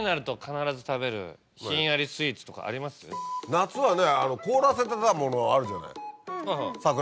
夏はね凍らせてたものあるじゃない。